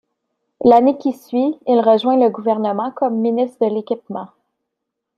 L'année qui suit, il rejoint le gouvernement comme ministre de l'Équipement.